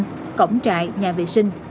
các cổng trại nhà vệ sinh